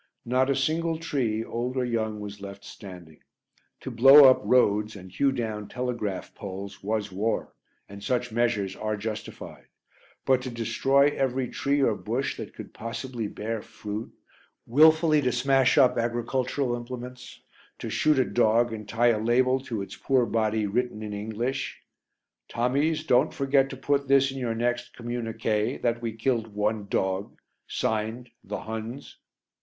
Not a single tree, old or young, was left standing. To blow up roads, and hew down telegraph poles was war, and such measures are justified; but to destroy every tree or bush that could possibly bear fruit, wilfully to smash up agricultural implements; to shoot a dog and tie a label to its poor body written in English: "Tommies, don't forget to put this in your next communique that we killed one dog. (Signed) THE HUNS."